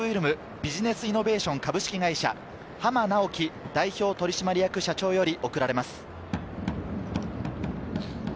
ビジネスイノベーション株式会社・浜直樹代表取締役社長より贈られます。